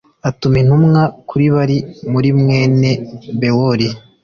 atuma intumwa kuri bal mu mwene bewori